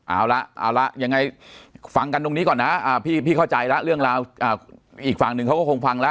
เอาละเอาละยังไงฟังกันตรงนี้ก่อนนะพี่เข้าใจแล้วเรื่องราวอีกฝั่งหนึ่งเขาก็คงฟังแล้ว